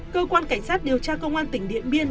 cơ quan cảnh sát điều tra công an tỉnh điện biên